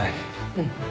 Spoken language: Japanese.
うん。